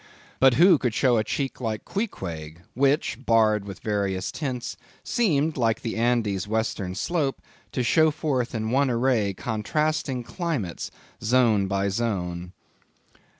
But who could show a cheek like Queequeg? which, barred with various tints, seemed like the Andes' western slope, to show forth in one array, contrasting climates, zone by zone.